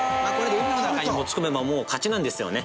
「海の中に持ち込めばもう勝ちなんですよね。